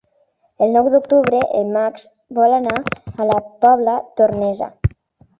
El nou d'octubre en Max vol anar a la Pobla Tornesa.